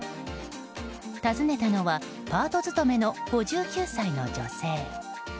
訪ねたのはパート勤めの５９歳の女性。